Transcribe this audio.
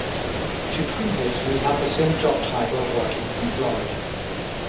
She previously held the same job title working from Florida.